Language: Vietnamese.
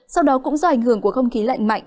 sau đó cũng do ảnh hưởng của không khí lạnh mạnh